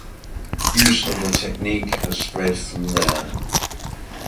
Use of the technique has spread from there.